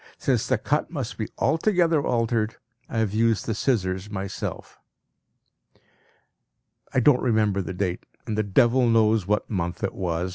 Since the cut must be altogether altered, I have used the scissors myself. I don't remember the date. The devil knows what month it was.